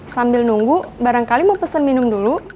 sambil nunggu barangkali mau pesen minum dulu